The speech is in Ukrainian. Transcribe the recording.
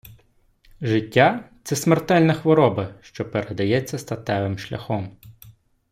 життя-це смертельна хвороба, що передається статевим шляхом